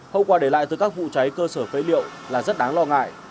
hậu quả để lại từ các vụ cháy cơ sở phế liệu là rất đáng lo ngại